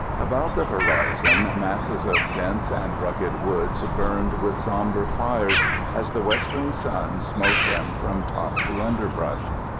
About the horizon masses of dense and rugged woods burned with sombre fires as the westering sun smote them from top to underbrush.